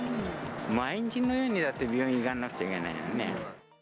毎日のように、だって病院行かなくちゃいけないよね。